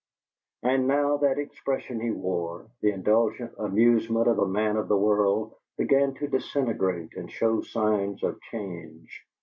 And now that expression he wore the indulgent amusement of a man of the world began to disintegrate and show signs of change.